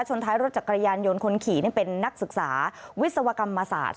ท้ายรถจักรยานยนต์คนขี่นี่เป็นนักศึกษาวิศวกรรมศาสตร์